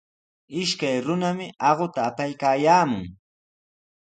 Ishkay runami aquta apaykaayaamun.